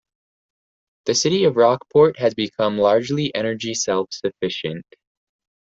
The city of Rock Port has become largely energy self-sufficient.